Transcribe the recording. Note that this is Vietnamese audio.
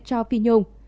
cho phi nhung